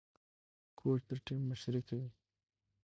کوچ د ټيم مشري کوي.